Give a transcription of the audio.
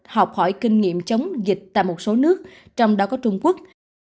học hỏi kinh nghiệm chống dịch tại một số nước trong đó có trung quốc